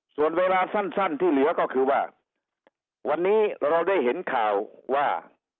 ส่วนเวลาสั้นที่เหลือก็คือว่าวันนี้เราได้เห็นข่าวว่า